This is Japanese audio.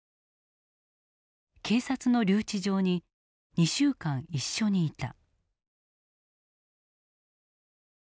警察の留置場に２週間一緒にいた。